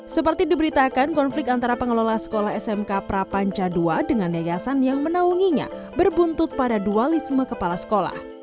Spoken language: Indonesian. seperti diberitakan konflik antara pengelola sekolah smk prapanca ii dengan yayasan yang menaunginya berbuntut pada dualisme kepala sekolah